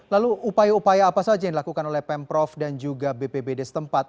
lalu upaya upaya apa saja yang dilakukan oleh pemprov dan juga bpbd setempat